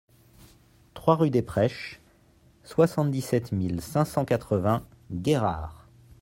trois rue des Prêches, soixante-dix-sept mille cinq cent quatre-vingts Guérard